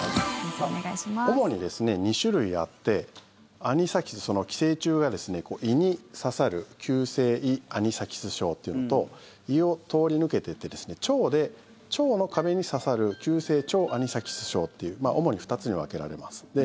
主に２種類あってアニサキス、その寄生虫が胃に刺さる急性胃アニサキス症というのと胃を通り抜けていって腸で、腸の壁に刺さる急性腸アニサキス症という主に２つに分けられます。